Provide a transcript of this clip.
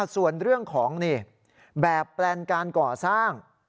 ส่วนเรื่องของแบบแปลนการก่อสร้าง